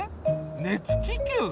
熱気球？